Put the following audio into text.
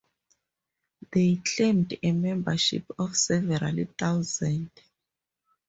They claimed a membership of several thousand.